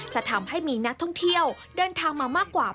จะทำให้มีนักท่องเที่ยวเดินทางมามากกว่า